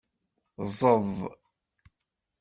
Ẓẓed.